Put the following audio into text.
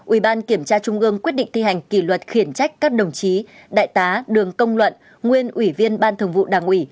ủy ban kiểm tra trung ương quyết định thi hành kỷ luật khiển trách các đồng chí đại tá đường công luận nguyên ủy viên ban thường vụ đảng ủy